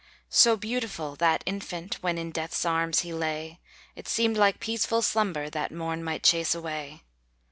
So beautiful that infant, When in death's arms he lay; It seemed like peaceful slumber, That morn might chase away.